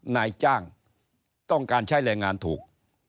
นายจ้างต้องการใช้แรงงานถูก